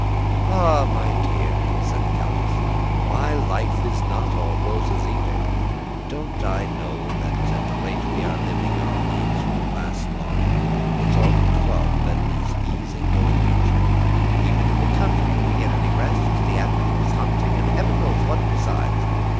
"Ah, my dear," said the countess, "my life is not all roses either. Don't I know that at the rate we are living our means won't last long? It's all the Club and his easygoing nature. Even in the country do we get any rest? Theatricals, hunting, and heaven knows what besides!